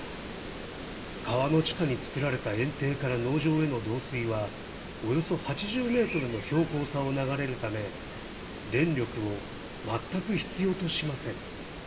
川の地下に作られたえん堤から農場への導水はおよそ８０ｍの標高差を流れるため電力を全く必要としません。